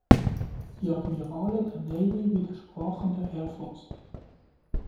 Die Admirale der "Navy" widersprachen der "Air Force".